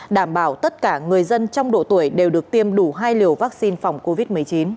đảm bảo tất cả người dân trong độ tuổi đều được tiêm đủ hai liều vaccine phòng covid một mươi chín